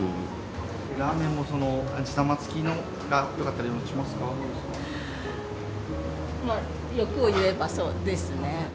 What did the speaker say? ラーメンも味玉つきがよかっ欲を言えばそうですね。